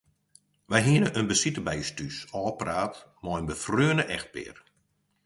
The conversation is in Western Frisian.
Wy hiene in besite by ús thús ôfpraat mei in befreone echtpear.